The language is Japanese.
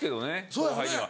後輩には。